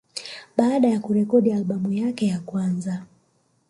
Baada ya kurekodi albamu yake ya kwanza